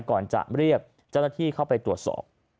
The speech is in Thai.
ก่อนจะเรียกเจ้าหน้าที่เข้าไปตรวจสอบ